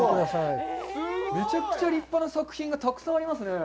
めちゃくちゃ立派な作品がたくさんありますね。